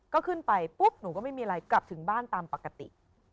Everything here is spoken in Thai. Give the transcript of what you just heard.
ก็ขึ้นไปปุ๊บหนูก็ไม่มีอะไรกลับถึงบ้านตามปกติ